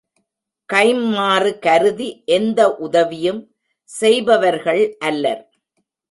கைம்மாறு கருதி எந்த உதவியும் செய்பவர்கள் அல்லர்